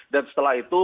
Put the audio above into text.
dan setelah itu